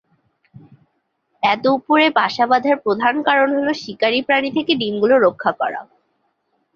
এত উপরে বাসা বাঁধার প্রধান কারণ হলো শিকারি প্রাণি থেকে ডিম গুলো রক্ষা করা।